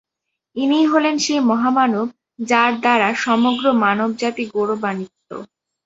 ইনিই হলেন সেই মহামানব যার দ্বারা সমগ্র মানব জাতি গৌরবান্বিত।